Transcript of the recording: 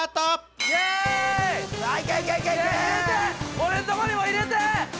俺のとこにも入れて！